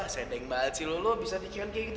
sendeng banget sih lo lo bisa dikira kayak gitu